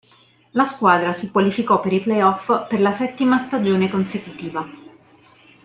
La squadra si qualificò per i playoff per la settima stagione consecutiva.